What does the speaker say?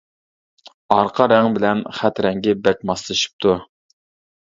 ئارقا رەڭ بىلەن خەت رەڭگى بەك ماسلىشىپتۇ.